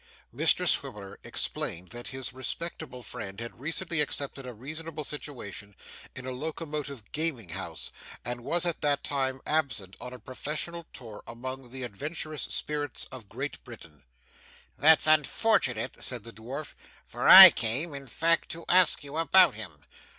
Mr Swiveller explained that his respectable friend had recently accepted a responsible situation in a locomotive gaming house, and was at that time absent on a professional tour among the adventurous spirits of Great Britain. 'That's unfortunate,' said the dwarf, 'for I came, in fact, to ask you about him.